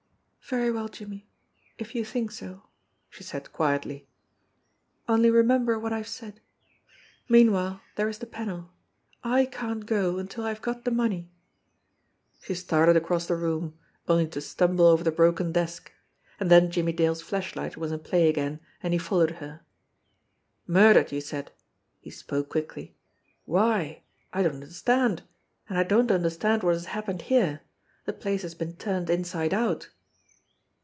"Very well, Jimmie, if you think so," she said quietly. "Only remember what I have said. Meanwhile there is the panel. / can't go until I have got the money." She started across the room, only to stumble over the broken desk. And then Jimmie Dale's flashlight was in play again, and he followed her. "Murdered, you said!" He spoke quickly. "Why? I don't understand. And I don't understand what has hap pened here. The place has been turned inside out."